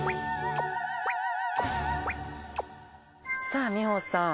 さあ美穂さん。